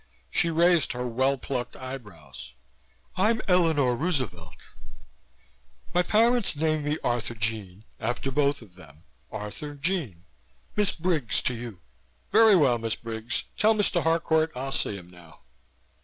She raised her well plucked eyebrows. "I'm Eleanor Roosevelt, my parents named me Arthurjean after both of them Arthurjean Miss Briggs to you!" "Very well, Miss Briggs, tell Mr. Harcourt I'll see him now."